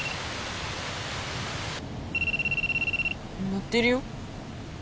鳴ってるよ？